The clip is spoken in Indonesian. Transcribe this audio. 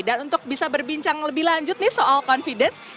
dan untuk bisa berbincang lebih lanjut nih soal confidence